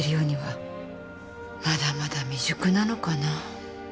まだまだ未熟なのかな。